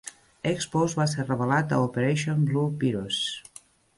Expose va ser revelat a 'Operation Blue Virus'.